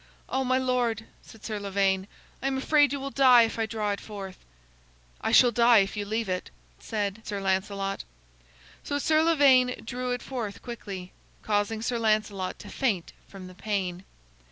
"Oh, my lord," said Sir Lavaine, "I am afraid you will die if I draw it forth." "I shall die if you leave it," said Sir Lancelot. So Sir Lavaine drew it forth quickly, causing Sir Lancelot to faint from the pain.